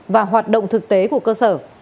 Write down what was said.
và hoạt động thực tế của cơ sở